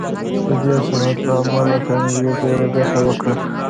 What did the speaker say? د دې صنعت له امله کارنګي ډېره ګټه وکړه